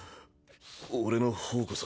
俺の方こそ。